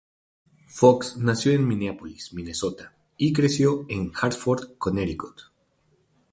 Fox nació en Mineápolis, Minesota, y creció en Hartford, Connecticut.